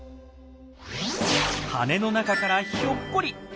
羽の中からひょっこり。